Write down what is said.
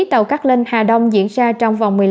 tàu các lên hà đông diễn ra trong vòng